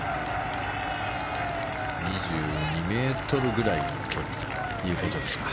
２２ｍぐらいの距離ということですか。